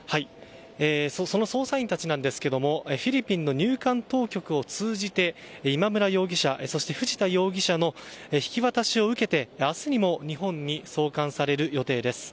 その捜査員たちなんですけどもフィリピンの入管当局を通じて今村容疑者、そして藤田容疑者の引き渡しを受けて明日にも日本に送還される予定です。